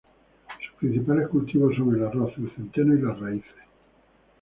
Sus principales cultivos son el arroz, el centeno y las raíces.